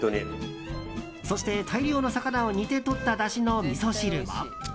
そして大量の魚を煮てとっただしのみそ汁は。